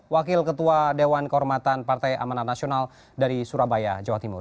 wakil ketua dewan kehormatan partai amanat nasional dari surabaya jawa timur